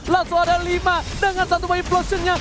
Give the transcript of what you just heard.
langsung ada lima dengan satu whiplosionnya